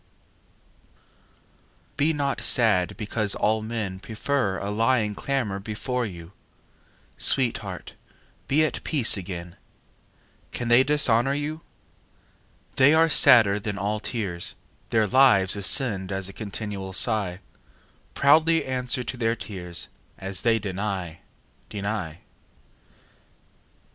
XIX Be not sad because all men Prefer a lying clamour before you: Sweetheart, be at peace againâ Can they dishonour you? They are sadder than all tears; Their lives ascend as a continual sigh. Proudly answer to their tears: As they deny, deny.